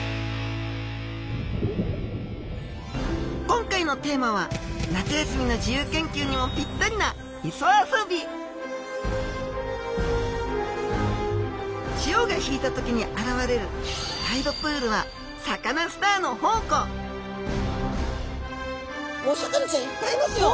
今回のテーマは夏休みの自由研究にもピッタリな潮が引いた時に現れるタイドプールはサカナスターの宝庫お魚ちゃんいっぱいいますよ！